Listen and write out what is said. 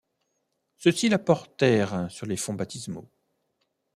Ceux-ci la portèrent sur les fonts baptismaux.